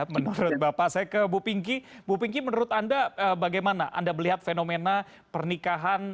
menurut bapak saya ke bu pinky bu pinky menurut anda bagaimana anda melihat fenomena pernikahan